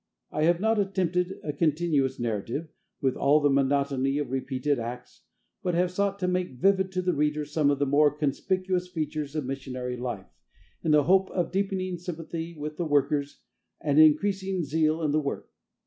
I have not attempted a continuous narrative, with all the monotony of repeated acts, but have sought to make vivid to the reader some of the more conspicuous features of missionary life, in the hope of deepening sympathy with the workers and increasing zeal in the work.